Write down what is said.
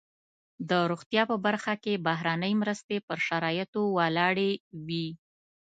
د روغتیا په برخه کې بهرنۍ مرستې پر شرایطو ولاړې وي.